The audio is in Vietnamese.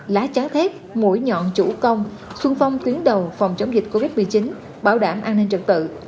lá trá thép mũi nhọn chủ công xuân phong tuyến đầu phòng chống dịch covid một mươi chín bảo đảm an ninh trật tự